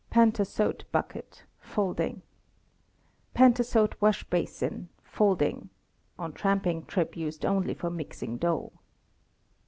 Pantasote bucket, folding. Pantasote wash basin, folding (on tramping trip used only for mixing dough).